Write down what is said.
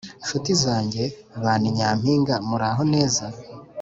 Nshuti zange ba Ni Nyampinga, muraho neza ?